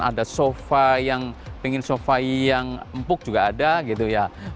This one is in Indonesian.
ada sofa yang ingin sofa yang empuk juga ada gitu ya